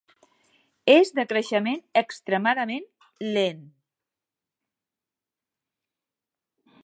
És de creixement extremadament lent.